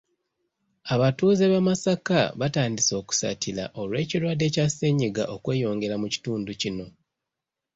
Abatuuze b’e Masaka batandise okusattira olw’ekirwadde kya ssennyiga okweyongera mu kitundu kino.